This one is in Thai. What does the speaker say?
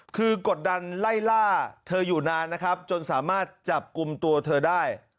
คือกดดันไล่ล่าเธออยู่นานนะครับจนสามารถจับกลุ่มตัวเธอได้